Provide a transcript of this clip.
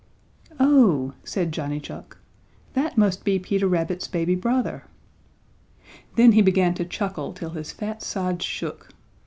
"Oh!" said Johnny Chuck, "that must be Peter Rabbit's baby brother!" Then he began to chuckle till his fat sides shook.